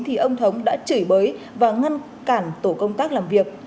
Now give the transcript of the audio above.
thì ông thống đã chửi bới và ngăn cản tổ công tác